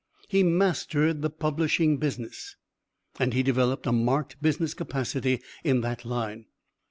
He mastered the publishing business, and he developed a marked business capacity in that line.